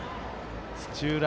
土浦